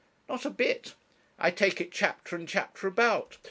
'Not a bit; I take it chapter and chapter about.